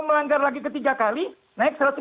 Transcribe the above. melanggar lagi ketiga kali naik